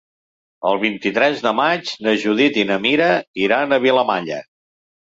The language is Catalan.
El vint-i-tres de maig na Judit i na Mira iran a Vilamalla.